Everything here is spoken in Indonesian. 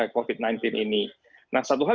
covid sembilan belas ini nah satu hal